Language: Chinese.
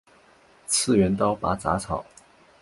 次元刀拔杂草